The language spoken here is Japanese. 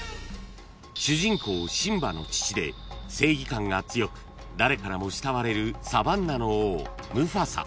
［主人公シンバの父で正義感が強く誰からも慕われるサバンナの王ムファサ］